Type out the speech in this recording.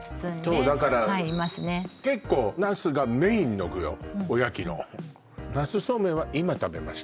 そうだから結構ナスがメインの具よおやきのナスそうめんは今食べました